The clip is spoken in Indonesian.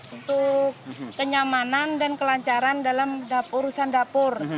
untuk kenyamanan dan kelancaran dalam urusan dapur